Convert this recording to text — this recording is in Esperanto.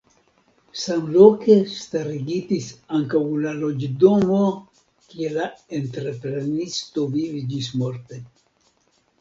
Samloke starigitis ankaŭ la loĝdomo kie la entreprenisto vivis ĝismorte.